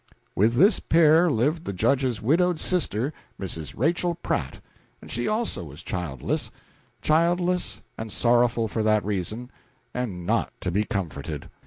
With this pair lived the Judge's widowed sister, Mrs. Rachel Pratt, and she also was childless childless, and sorrowful for that reason, and not to be comforted.